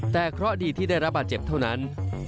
แต่เคราะห์ดีที่ได้รับบาดเจ็บเท่านั้น